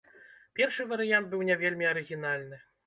Першы варыянт быў не вельмі арыгінальны.